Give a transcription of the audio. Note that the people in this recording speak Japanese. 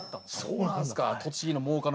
そうなんすか。